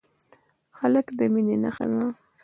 هلک د مینې نښه ده.